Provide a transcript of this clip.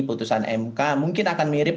putusan mk mungkin akan mirip